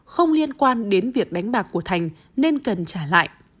không liên quan đến việc đánh bạc của thành nên cần trả lại